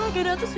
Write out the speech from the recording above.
aku tak tahu